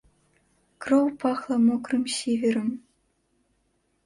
Кроў пахла мокрым сіверам.